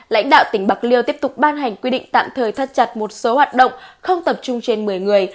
lãnh đạo tỉnh bạc liêu tiếp tục ban hành quy định tạm thời thắt chặt một số hoạt động không tập trung trên một mươi người